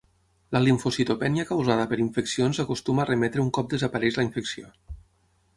La limfocitopènia causada per infeccions acostuma a remetre un cop desapareix la infecció.